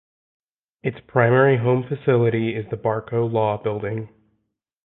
Its primary home facility is the Barco Law Building.